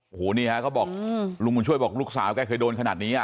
โอ้โหนี่ฮะเขาบอกลุงบุญช่วยบอกลูกสาวแกเคยโดนขนาดนี้อ่ะ